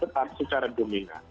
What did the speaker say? tetap secara dominan